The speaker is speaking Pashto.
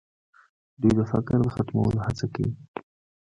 دوی د فقر د ختمولو هڅه کوي.